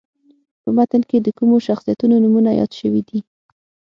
په متن کې د کومو شخصیتونو نومونه یاد شوي دي.